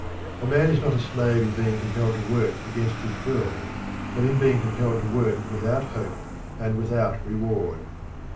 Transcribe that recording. A man is not a slave in being compelled to work against his will, but in being compelled to work without hope and without reward.